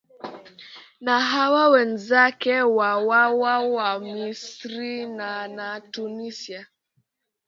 na hawa wenzake wa wa wa wamisri na na tunisia